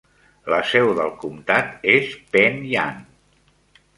La seu del comtat és Penn Yan.